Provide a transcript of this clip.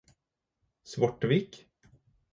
Svortevik